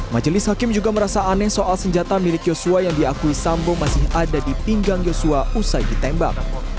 majelis hakim juga merasa aneh soal senjata milik joshua yang diakui sambo masih ada di pinggang yosua usai ditembak